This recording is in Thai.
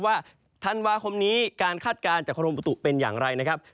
ว่าธันวาคมนี้การคาดการณ์จากกรมประตูเป็นอย่างไรนะครับ